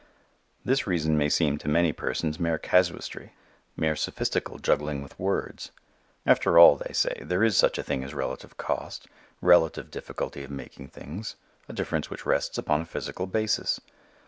This reasoning may seem to many persons mere casuistry, mere sophistical juggling with words. After all, they say, there is such a thing as relative cost, relative difficulty of making things, a difference which rests upon a physical basis.